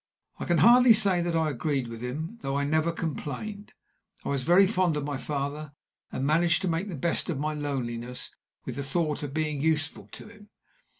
I can hardly say that I agreed with him, though I never complained. I was very fond of my father, and managed to make the best of my loneliness with the thought of being useful to him.